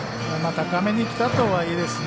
高めにきたとはいえですね